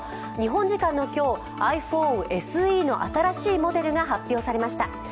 日本時間の今日、ｉＰｈｏｎｅＳＥの新しいモデルが発表されました。